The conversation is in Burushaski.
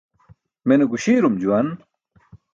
Mene guśiirum juwan.